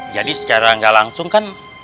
jadi secara gak langsung kan